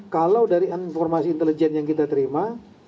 kalau dari informasi intelijen yang kita terima